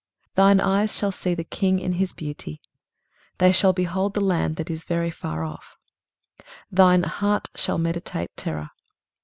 23:033:017 Thine eyes shall see the king in his beauty: they shall behold the land that is very far off. 23:033:018 Thine heart shall meditate terror.